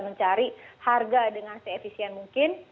mencari harga dengan se efisien mungkin